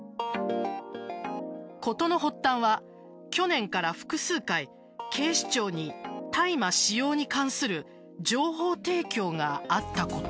ことの発端は、去年から複数回警視庁に大麻使用に関する情報提供があったこと。